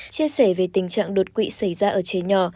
chia sẻ về tình trạng đột quỵ xảy ra ở trẻ nhỏ